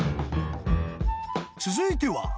［続いては］